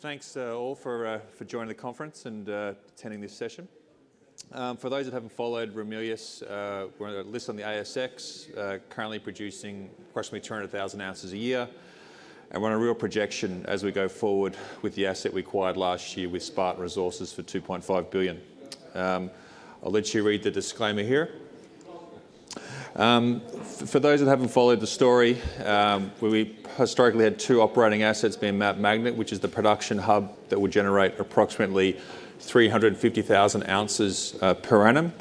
Well, thanks all for joining the conference and attending this session. For those that haven't followed Ramelius, we're listed on the ASX, currently producing approximately 200,000 ounces a year. We're on a real projection as we go forward with the asset we acquired last year with Spartan Resources for 2.5 billion. I'll let you read the disclaimer here. For those that haven't followed the story, we historically had two operating assets being Mount Magnet, which is the production hub that would generate approximately 350,000 ounces per annum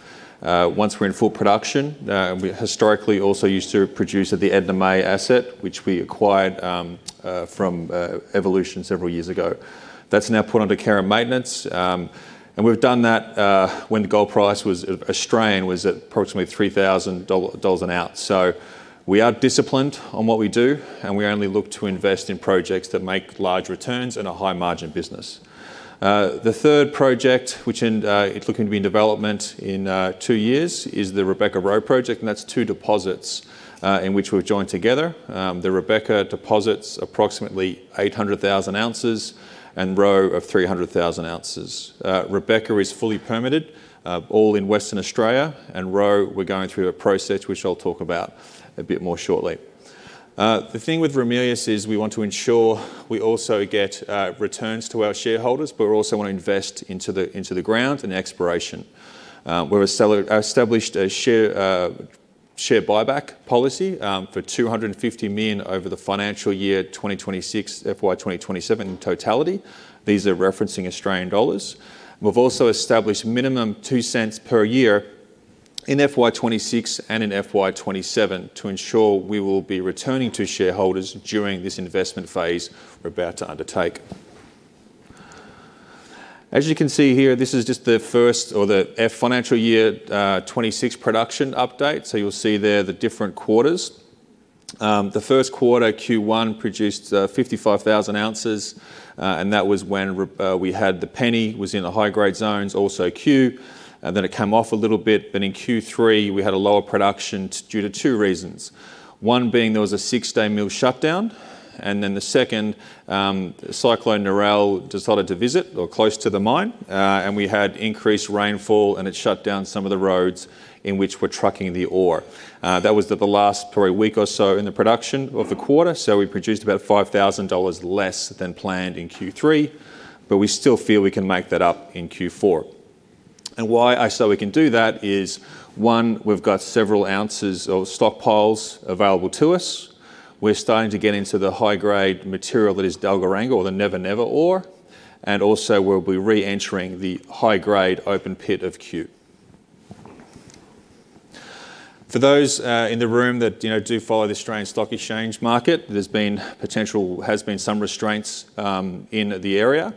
once we're in full production. We historically also used to produce at the Edna May asset, which we acquired from Evolution several years ago. That's now put under care and maintenance, and we've done that when the gold price Australian was at approximately 3,000 dollars an ounce. We are disciplined on what we do, and we only look to invest in projects that make large returns and a high margin business. The third project, which is looking to be in development in two years, is the Rebecca Roe project, and that's two deposits in which we've joined together. The Rebecca deposit's approximately 800,000 ounces, and Roe of 300,000 ounces. Rebecca is fully permitted, all in Western Australia, and Roe, we're going through a process which I'll talk about a bit more shortly. The thing with Ramelius is we want to ensure we also get returns to our shareholders, but we also want to invest into the ground and exploration. We established a share buyback policy for 250 million over the financial year 2026, FY 2027 in totality. These are referencing Australian dollars. We've also established minimum 0.02 per year in FY 2026 and in FY 2027 to ensure we will be returning to shareholders during this investment phase we're about to undertake. As you can see here, this is just the first or the financial year 2026 production update. You'll see there the different quarters. The first quarter, Q1, produced 55,000 ounces. That was when we had the Penny, was in the high-grade zones, also Q. It came off a little bit. In Q3, we had a lower production due to two reasons. One being there was a six-day mill shutdown, and then the second, Cyclone Narelle decided to visit, or close to the mine. We had increased rainfall, and it shut down some of the roads in which we're trucking the ore. That was the last probably week or so in the production of the quarter. We produced about 5,000 dollars less than planned in Q3, but we still feel we can make that up in Q4. Why I say we can do that is, one, we've got several ounces of stockpiles available to us. We're starting to get into the high-grade material that is Dalgaranga, or the Never Never ore. Also, we'll be re-entering the high-grade open pit of Cue. For those in the room that do follow the Australian Stock Exchange market, there has been some restraints in the area.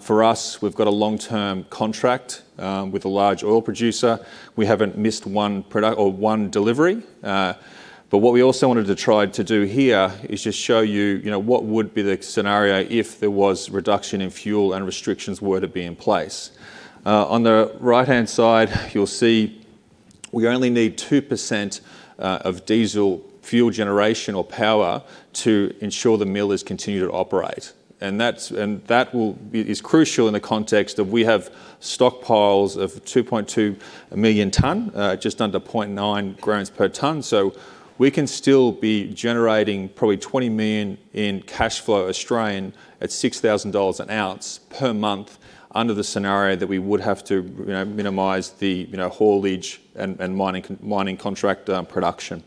For us, we've got a long-term contract with a large oil producer. We haven't missed one delivery. What we also wanted to try to do here is just show you what would be the scenario if there was reduction in fuel and restrictions were to be in place. On the right-hand side, you'll see we only need 2% of diesel fuel generation or power to ensure the mills continue to operate. That is crucial in the context of we have stockpiles of 2.2 million tons, just under 0.9 grams per ton. We can still be generating probably 20 million in cash flow at 6,000 dollars an ounce per month under the scenario that we would have to minimize the haulage and mining contract production.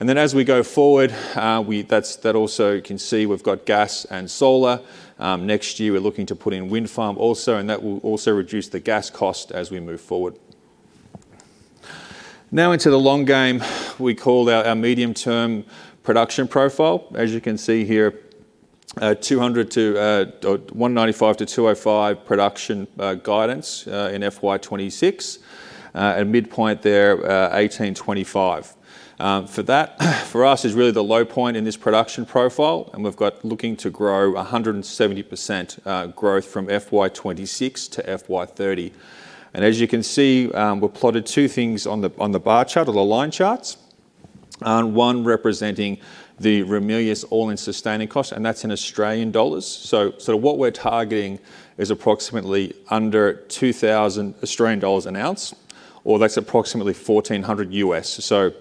As we go forward, you can see we've got gas and solar. Next year, we're looking to put in wind farm also, and that will also reduce the gas cost as we move forward. Now into the long game we call our medium-term production profile. As you can see here, 195-205 production guidance in FY 2026. At midpoint there, 1,825. For us is really the low point in this production profile, and we're looking to grow 170% growth from FY 2026-FY 2030. As you can see, we've plotted two things on the bar chart or the line charts, one representing the Ramelius all-in sustaining cost, and that's in Australian dollars. What we're targeting is approximately under 2,000 Australian dollars an ounce, or that's approximately $1,400.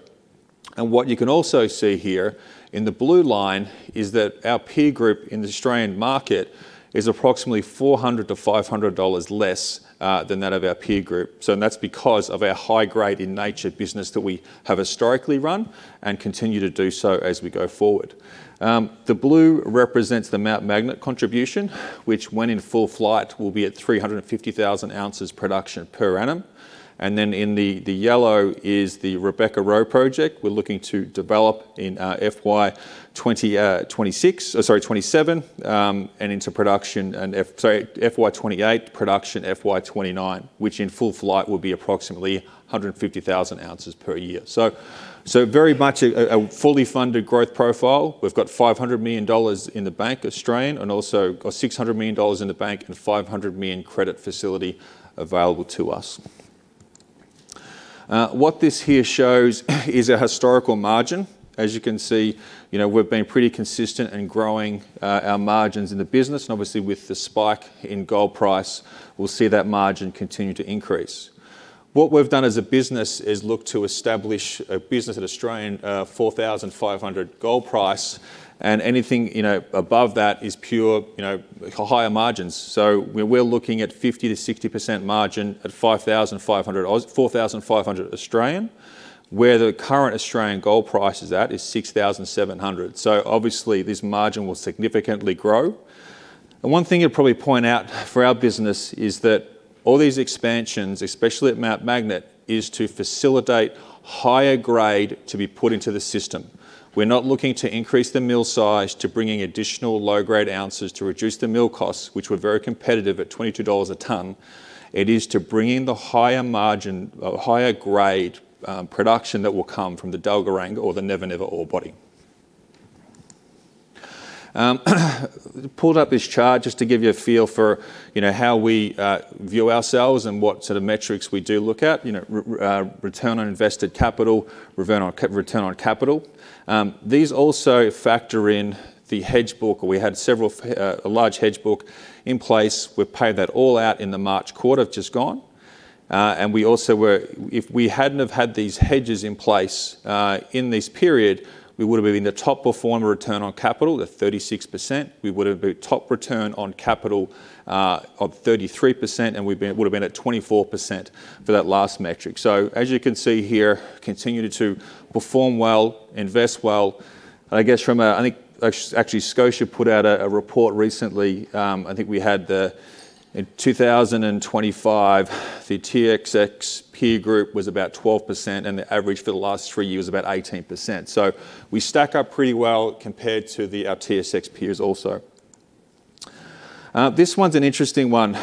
What you can also see here in the blue line is that our peer group in the Australian market is approximately 400-500 dollars less than that of our peer group. That's because of our high grade in nature business that we have historically run and continue to do so as we go forward. The blue represents the Mount Magnet contribution, which when in full flight, will be at 350,000 ounces production per annum. In the yellow is the Rebecca Roe project we're looking to develop in FY 2027 and into production in FY 2028, production FY 2029, which in full flight will be approximately 150,000 ounces per year. Very much a fully funded growth profile. We've got 500 million dollars in the bank, Australian, and also got 600 million dollars in the bank and 500 million credit facility available to us. What this here shows is a historical margin. As you can see, we've been pretty consistent in growing our margins in the business. Obviously with the spike in gold price, we'll see that margin continue to increase. What we've done as a business is look to establish a business at 4,500 gold price. Anything above that is pure higher margins. We're looking at 50%-60% margin at 4,500, where the current Australian gold price is 6,700. Obviously this margin will significantly grow. One thing you'd probably point out for our business is that all these expansions, especially at Mount Magnet, is to facilitate higher grade to be put into the system. We're not looking to increase the mill size to bringing additional low-grade ounces to reduce the mill costs, which were very competitive at 22 dollars a ton. It is to bring in the higher margin, higher grade production that will come from the Dalgaranga or the Never Never ore body. I pulled up this chart just to give you a feel for how we view ourselves and what sort of metrics we do look at, return on invested capital, return on capital. These also factor in the hedge book. We had a large hedge book in place. We've paid that all out in the March quarter just gone. If we hadn't have had these hedges in place, in this period, we would have been in the top performer return on capital at 36%. We would have been top return on capital of 33%, and we would have been at 24% for that last metric. As you can see here, we continued to perform well, invest well. Actually, Scotia put out a report recently. I think we had in 2025, the TSX peer group was about 12% and the average for the last three years was about 18%. We stack up pretty well compared to our TSX peers also. This one's an interesting one.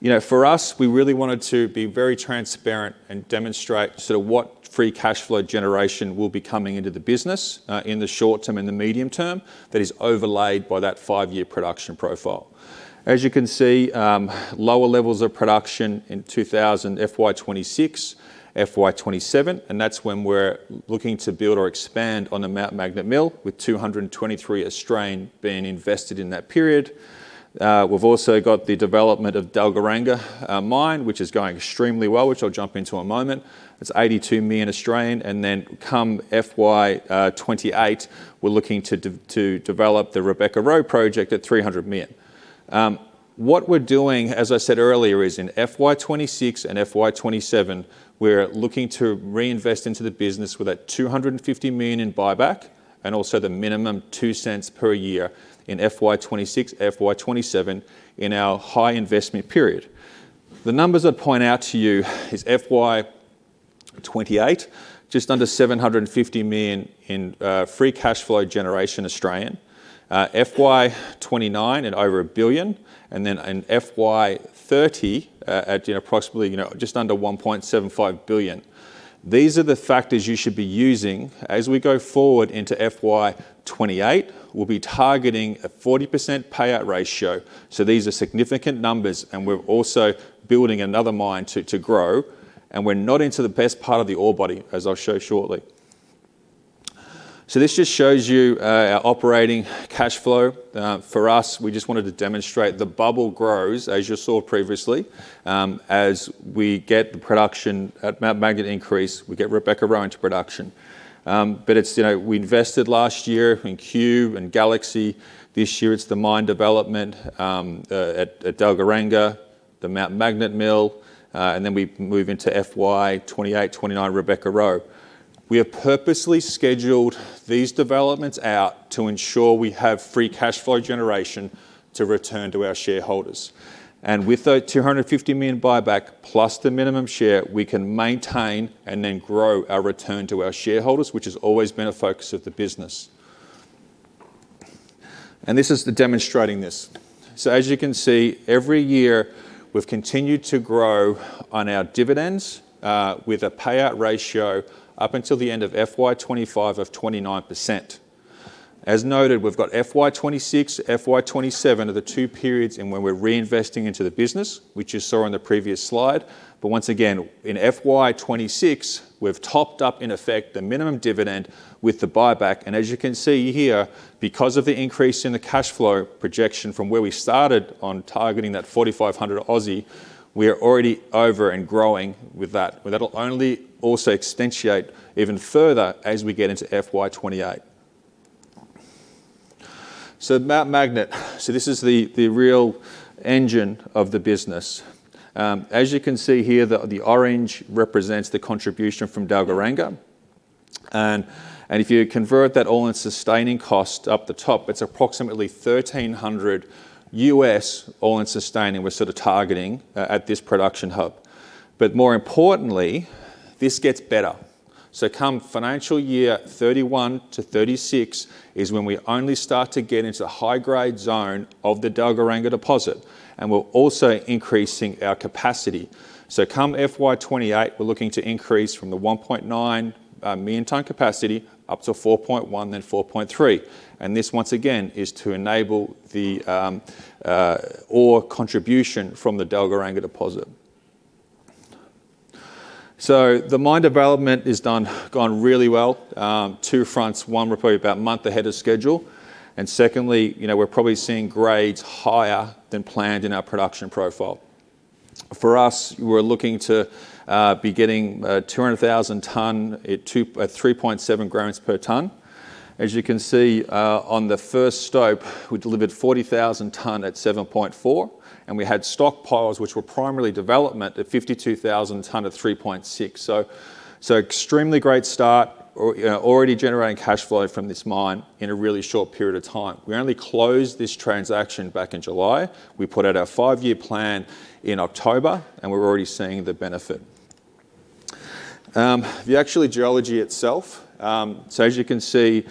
For us, we really wanted to be very transparent and demonstrate what free cash flow generation will be coming into the business in the short term and the medium term that is overlaid by that five-year production profile. As you can see, lower levels of production in FY 2026, FY 2027. That's when we're looking to build or expand on the Mount Magnet mill, with 223 being invested in that period. We've also got the development of Dalgaranga mine, which is going extremely well, which I'll jump into a moment. It's 82 million. Come FY 2028, we're looking to develop the Rebecca Roe project at 300 million. What we're doing, as I said earlier, is in FY 2026 and FY 2027, we're looking to reinvest into the business with that 250 million in buyback and also the minimum 0.02 per year in FY 2026, FY 2027 in our high investment period. The numbers I'd point out to you is FY 2028, just under 750 million in free cash flow generation Australian, FY 2029 at over 1 billion, and then in FY 2030 at approximately just under 1.75 billion. These are the factors you should be using. As we go forward into FY 2028, we'll be targeting a 40% payout ratio. These are significant numbers, and we're also building another mine to grow. We're not into the best part of the ore body, as I'll show shortly. This just shows you our operating cash flow. For us, we just wanted to demonstrate the bubble grows, as you saw previously. As we get the production at Mount Magnet increase, we get Rebecca Roe into production. We invested last year in Cube and Galaxy. This year, it's the mine development at Dalgaranga, the Mount Magnet mill, and then we move into FY 2028, 2029, Rebecca Roe. We have purposely scheduled these developments out to ensure we have free cash flow generation to return to our shareholders. With that 250 million buyback plus the minimum share, we can maintain and then grow our return to our shareholders, which has always been a focus of the business. This is demonstrating this. As you can see, every year, we've continued to grow on our dividends, with a payout ratio up until the end of FY 2025 of 29%. As noted, we've got FY 2026, FY 2027 are the two periods in when we're reinvesting into the business, which you saw in the previous slide. Once again, in FY 2026, we've topped up in effect the minimum dividend with the buyback. As you can see here, because of the increase in the cash flow projection from where we started on targeting that 4,500, we are already over and growing with that. That'll only also accentuate even further as we get into FY 2028. Mount Magnet, this is the real engine of the business. As you can see here, the orange represents the contribution from Dalgaranga. If you convert that all-in sustaining cost up the top, it's approximately $1,300 all-in sustaining we're sort of targeting at this production hub. More importantly, this gets better. Come financial year 2031-2036 is when we only start to get into the high-grade zone of the Dalgaranga deposit, and we're also increasing our capacity. Come FY 2028, we're looking to increase from the 1.9 million tons capacity up to 4.1, then 4.3. This, once again, is to enable the ore contribution from the Dalgaranga deposit. The mine development has gone really well. Two fronts. One, we're probably about a month ahead of schedule, and secondly, we're probably seeing grades higher than planned in our production profile. For us, we're looking to be getting 200,000 tons at 3.7 grams per ton. As you can see on the first stope, we delivered 40,000 tons at 7.4, and we had stockpiles, which were primarily development, at 52,000 tons at 3.6. Extremely great start. Already generating cash flow from this mine in a really short period of time. We only closed this transaction back in July. We put out our five-year plan in October, and we're already seeing the benefit. The actual geology itself. As you can see,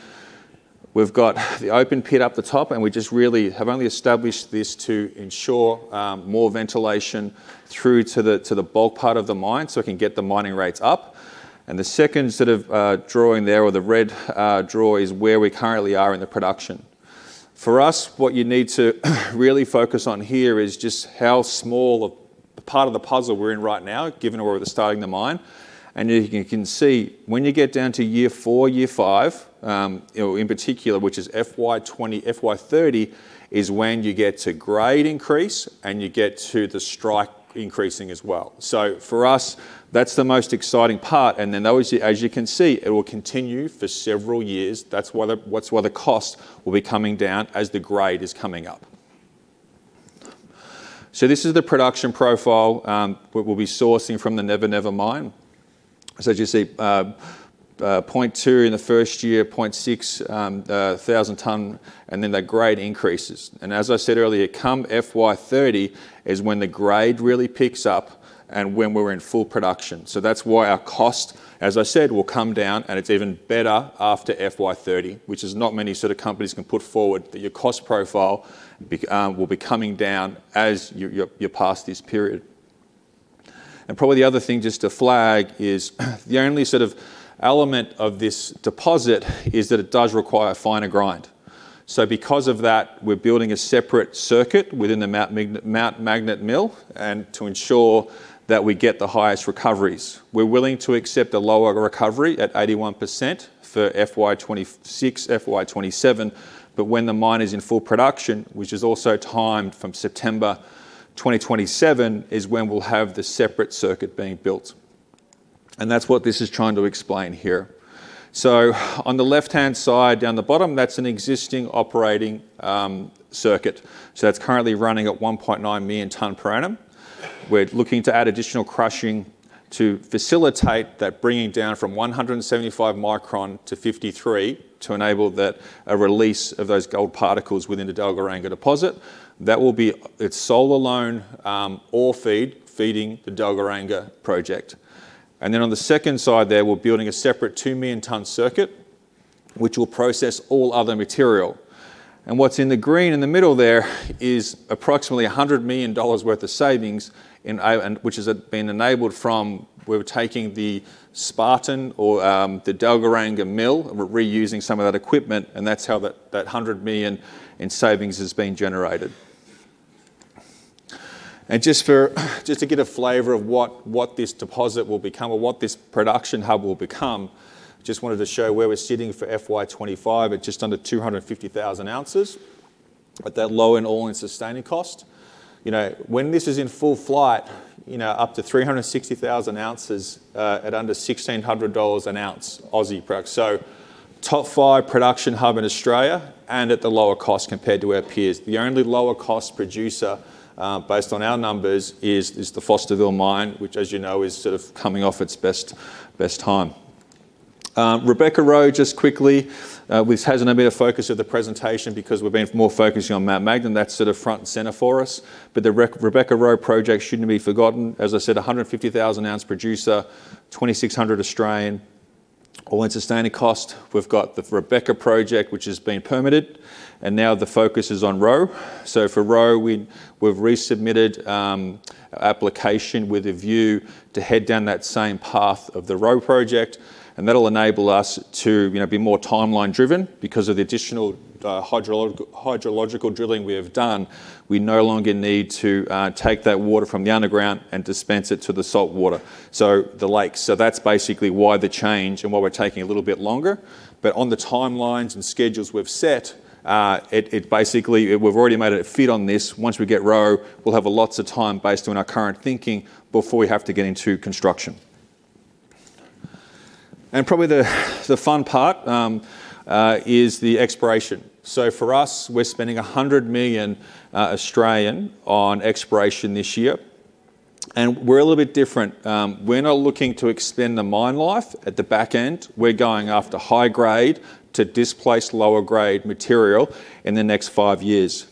we've got the open pit up the top, and we just really have only established this to ensure more ventilation through to the bulk part of the mine so we can get the mining rates up. The second sort of drawing there, or the red draw, is where we currently are in the production. For us, what you need to really focus on here is just how small a part of the puzzle we're in right now, given where we're starting the mine. You can see when you get down to year four, year five, in particular, which is FY 2029, FY 2030, is when you get to grade increase and you get to the strike increasing as well. For us, that's the most exciting part. As you can see, it will continue for several years. That's why the cost will be coming down as the grade is coming up. This is the production profile we'll be sourcing from the Never Never mine. As you see, 0.2 in the first year, 0.6 thousand ton, and then the grade increases. As I said earlier, come FY 2030 is when the grade really picks up and when we're in full production. That's why our cost, as I said, will come down and it's even better after FY 2030, which is not many sort of companies can put forward that your cost profile will be coming down as you're past this period. Probably the other thing just to flag is the only sort of element of this deposit is that it does require finer grind. Because of that, we're building a separate circuit within the Mount Magnet mill to ensure that we get the highest recoveries. We're willing to accept a lower recovery at 81% for FY 2026, FY 2027, but when the mine is in full production, which is also timed from September 2027, is when we'll have the separate circuit being built. That's what this is trying to explain here. On the left-hand side, down the bottom, that's an existing operating circuit. That's currently running at 1.9 million tons per annum. We're looking to add additional crushing to facilitate that, bringing down from 175 microns to 53 to enable a release of those gold particles within the Dalgaranga deposit. That will be its standalone ore feed feeding the Dalgaranga project. On the second side there, we're building a separate 2 million ton circuit, which will process all other material. What's in the green in the middle there is approximately 100 million dollars worth of savings. We're taking the Spartan or the Dalgaranga mill. We're reusing some of that equipment, and that's how that 100 million in savings has been generated. Just to get a flavor of what this deposit will become or what this production hub will become, just wanted to show where we're sitting for FY 2025 at just under 250,000 ounces at that low in all-in sustaining cost. When this is in full flight, up to 360,000 ounces at under 1,600 dollars an ounce Aussie price. Top five production hub in Australia and at the lower cost compared to our peers. The only lower cost producer based on our numbers is the Fosterville Gold mine, which as you know, is sort of coming off its best time. Rebecca Roe, just quickly, this hasn't been a focus of the presentation because we've been more focusing on Mount Magnet. That's sort of front and center for us. The Rebecca Roe project shouldn't be forgotten. As I said, 150,000 ounce producer, 2,600 all-in sustaining cost. We've got the Rebecca project which is being permitted and now the focus is on Roe. For Roe, we've resubmitted application with a view to head down that same path of the Roe project and that'll enable us to be more timeline driven because of the additional hydrological drilling we have done. We no longer need to take that water from the underground and dispense it to the salt water, so the lakes. So that's basically why the change and why we're taking a little bit longer. But on the timelines and schedules we've set, basically we've already made it fit on this. Once we get Roe, we'll have lots of time based on our current thinking before we have to get into construction. And probably the fun part is the exploration. So for us, we're spending 100 million Australian on exploration this year and we're a little bit different. We're not looking to extend the mine life at the back end. We're going after high grade to displace lower grade material in the next five years.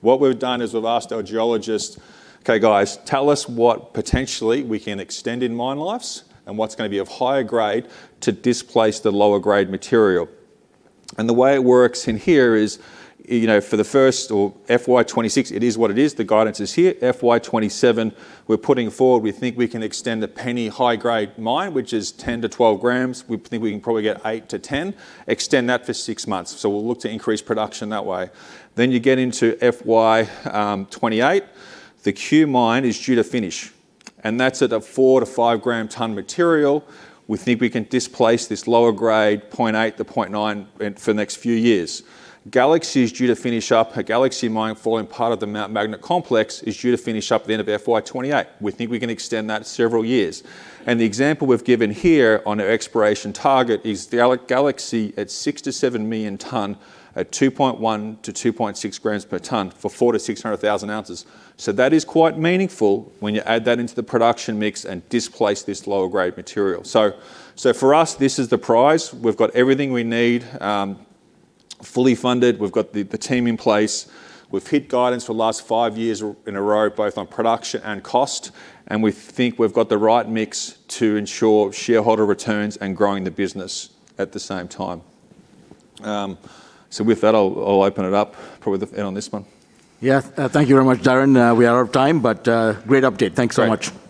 What we've done is we've asked our geologists, "Okay, guys, tell us what potentially we can extend in mine lives and what's going to be of higher grade to displace the lower-grade material." The way it works in here is for the first or FY 2026, it is what it is. The guidance is here. FY 2027 we're putting forward, we think we can extend the Penny high-grade mine, which is 10-12 grams. We think we can probably get eight-10, extend that for six months. We'll look to increase production that way. You get into FY 2028. The Cue mine is due to finish and that's at a four-five gram ton material. We think we can displace this lower-grade 0.8-0.9 for the next few years. Galaxy is due to finish up. Galaxy Mine, forming part of the Mount Magnet Complex, is due to finish up at the end of FY 2028. We think we can extend that several years. The example we've given here on our exploration target is Galaxy at 6 million ton-7 million ton at 2.1 grams per ton-2.6 grams per ton for 400,000 ounces-600,000 ounces. That is quite meaningful when you add that into the production mix and displace this lower-grade material. For us, this is the prize. We've got everything we need fully funded. We've got the team in place. We've hit guidance for the last five years in a row, both on production and cost. We think we've got the right mix to ensure shareholder returns and growing the business at the same time. With that, I'll open it up probably on this one. Yeah, thank you very much, Darren. We are out of time, but great update. Thanks so much. Thank you.